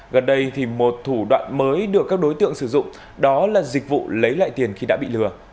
gần đây thì một thủ đoạn mới được các đối tượng sử dụng đó là dịch vụ lấy lại tiền khi đã bị lừa